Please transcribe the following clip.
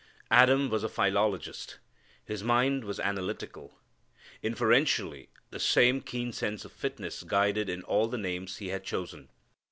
Adam was a philologist. His mind was analytical. Inferentially the same keen sense of fitness guided in all the names he had chosen.